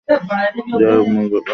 যাই হোক, মূল ব্যাপারে ফিরে আসি।